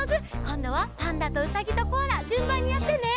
こんどはパンダとうさぎとコアラじゅんばんにやってね。